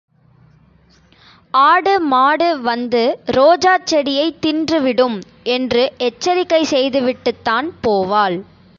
ஆடு மாடு வந்து ரோஜாச் செடியைத் தின்றுவிடும்! என்று எச்சரிக்கை செய்துவிட்டுத்தான் போவாள்.